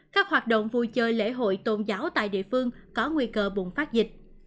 các hoạt động vui chơi lễ hội tôn giáo tại địa phương có nguy cơ bùng phát dịch